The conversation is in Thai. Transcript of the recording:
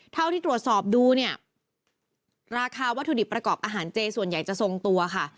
เท่าที่ตรวจสอบดูเนี่ยราคาวัตถุดิบประกอบอาหารเจส่วนใหญ่จะทรงตัวค่ะ